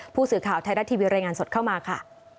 ผู้สื่อข่าวไทยรัฐทีวีรายงานสดเข้ามาค่ะ